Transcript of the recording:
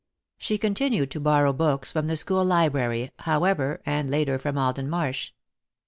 She continued to borrow books from the school library, however, and later from Alden Marsh.